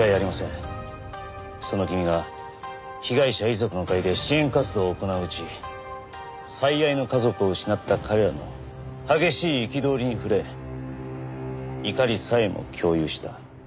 その君が被害者遺族の会で支援活動を行ううち最愛の家族を失った彼らの激しい憤りに触れ怒りさえも共有した。